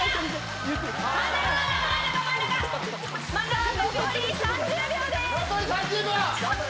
さあ残り３０秒です。